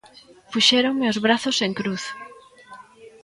Puxéronme os brazos en cruz.